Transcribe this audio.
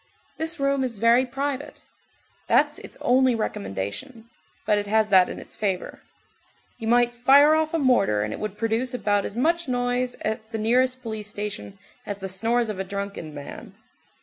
This room is very private. That's its only recommendation, but it has that in its favor. You might fire off a mortar and it would produce about as much noise at the nearest police station as the snores of a drunken man.